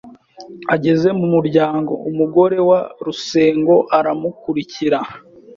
Ageze mu muryango, umugore wa Rusengo aramukurikira